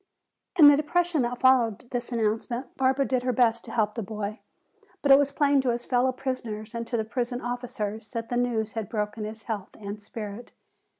In the depression that followed this announcement Barbara did her best to help the boy. But it was plain to his fellow prisoners and to the prison officers that the news had broken his health and spirit.